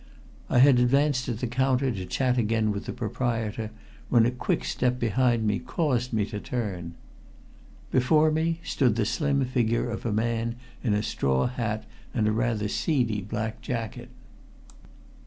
I had advanced to the counter to chat again with the proprietor, when a quick step behind me caused me to turn. Before me stood the slim figure of a man in a straw hat and rather seedy black jacket.